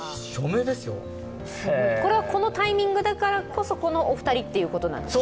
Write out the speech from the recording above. これは、このタイミングだからこそこのお二人ってことですか？